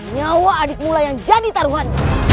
nyawa adikmu lah yang jadi taruhan